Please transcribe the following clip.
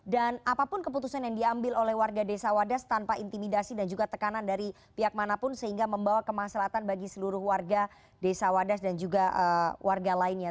apapun keputusan yang diambil oleh warga desa wadas tanpa intimidasi dan juga tekanan dari pihak manapun sehingga membawa kemaslahan bagi seluruh warga desa wadas dan juga warga lainnya